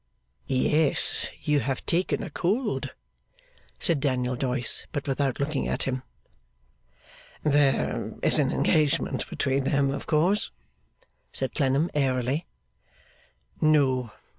'Yes, you have taken cold,' said Daniel Doyce. But without looking at him. ' There is an engagement between them, of course?' said Clennam airily. 'No.